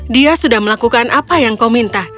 dia sudah melakukan apa yang kau minta